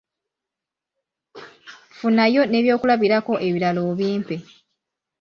Funayo n’ebyokulabirako ebirala obimpe.